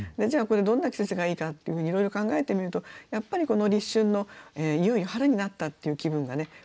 じゃあこれどんな季節がいいかっていうふうにいろいろ考えてみるとやっぱりこの「立春」のいよいよ春になったっていう気分がね